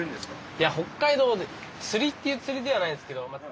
いや北海道で釣りっていう釣りではないんですけど。